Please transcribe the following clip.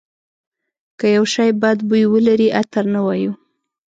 که یو شی بد بوی ولري عطر نه وایو.